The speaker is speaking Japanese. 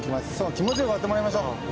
気持ち良く終わってもらいましょう。